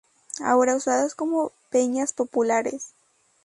Ahora usadas como peñas populares.